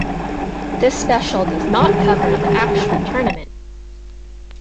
This special does not cover the actual tournament.